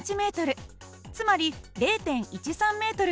つまり０．１３ｍです。